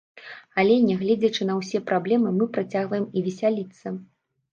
Але, нягледзячы на ўсе праблемы, мы працягваем і весяліцца.